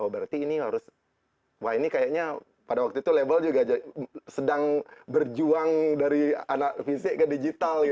berarti ini harus wah ini kayaknya pada waktu itu label juga sedang berjuang dari anak fisik ke digital